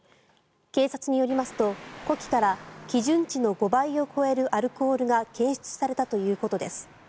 警察によりますと呼気から基準値の５倍を超えるアルコールが検出されたということです。